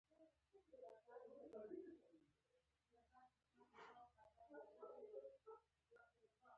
په شخړو کې بې پرې اوسېدل.